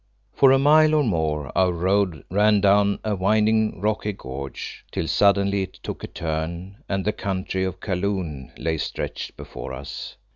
For a mile or more our road ran down a winding, rocky gorge, till suddenly it took a turn, and the country of Kaloon lay stretched before us.